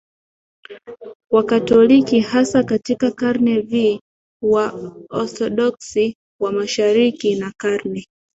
Wakatoliki hasa katika karne V Waorthodoksi wa Mashariki na karne